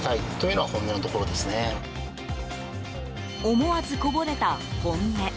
思わずこぼれた本音。